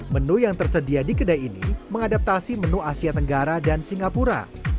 menu yang tersedia di kedai ini mengadaptasi menu asia tenggara dan singapura